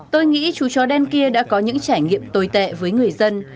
tôi nghĩ chú chó đen kia đã có những trải nghiệm tồi tệ với người dân